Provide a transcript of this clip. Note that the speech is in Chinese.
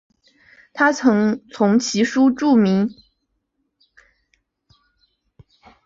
他曾从其叔著名语言学家杨树达学习。